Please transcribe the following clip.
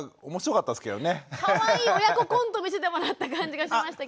かわいい親子コント見せてもらった感じがしましたけど。